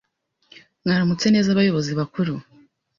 Mwaramutse neza bayobozi bakuru